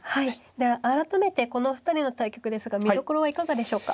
では改めてこのお二人の対局ですが見どころはいかがでしょうか。